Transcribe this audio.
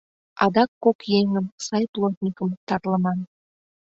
Адак кок еҥым, сай плотникым, тарлыман.